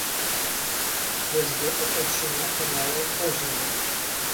Вось гэта таўшчыня канала ў кожнага!